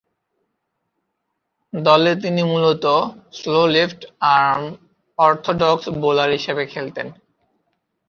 দলে তিনি মূলতঃ slow left arm orthodox bowler হিসেবে খেলতেন।